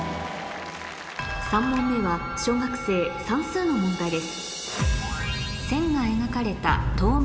３問目は小学生算数の問題です